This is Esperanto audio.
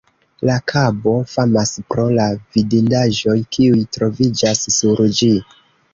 La kabo famas pro la vidindaĵoj, kiuj troviĝas sur ĝi.